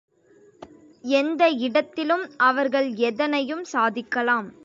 எந்த இடத்திலும் அவர்கள் எதனையும் சாதிக்கலாம்.